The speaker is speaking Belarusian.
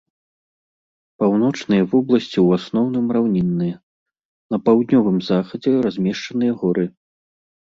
Паўночныя вобласці ў асноўным раўнінныя, на паўднёвым захадзе размешчаныя горы.